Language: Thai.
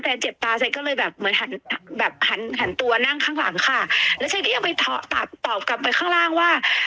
เจ็บตาฉันก็เลยแบบเหมือนหันแบบหันหันตัวนั่งข้างหลังค่ะแล้วฉันก็ยังไปตอบตอบกลับไปข้างล่างว่า